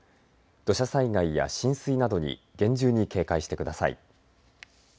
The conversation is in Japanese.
土砂災害や浸水などに厳重に警戒してください。